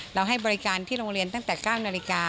ให้บริการที่โรงเรียนตั้งแต่๙นาฬิกา